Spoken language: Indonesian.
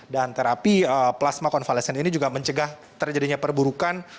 dan terapi plasma konvalesen ini juga mencegah terjadinya perburukan